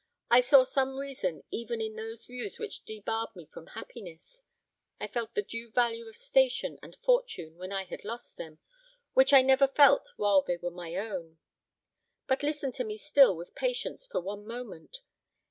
I saw some reason even in those views which debarred me from happiness; I felt the due value of station and fortune when I had lost them, which I never felt while they were my own. But listen to me still with patience for one moment.